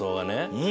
うん。